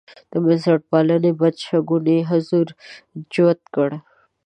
د بنسټپالنې بدشګونی حضور جوت کړي.